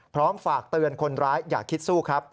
ฝากเตือนคนร้ายอย่าคิดสู้ครับ